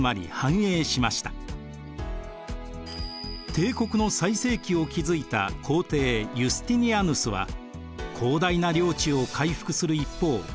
帝国の最盛期を築いた皇帝ユスティニアヌスは広大な領地を回復する一方